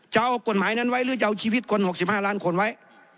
จะเอากฎหมายนั้นไว้หรือจะเอาชีวิตคน๖๕ล้านคนไว้